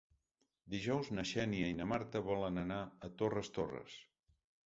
Dijous na Xènia i na Marta volen anar a Torres Torres.